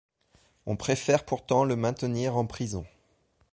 On préfère pourtant le maintenir en prison.